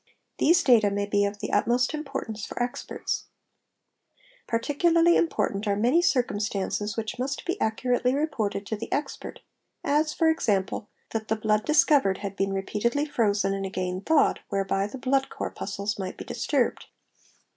These data may be of the utmost importance for experts®, Particularly important are many circumstances which ~ must be accurately reported to the expert, as, for example, that the blood discovered had been repeatedly frozen and again thawed, whereby the — blood corpuscles might be disturbed®®.